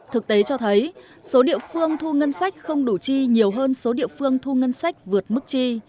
thực tế cho thấy số địa phương thu ngân sách không đủ chi nhiều hơn số địa phương thu ngân sách vượt mức chi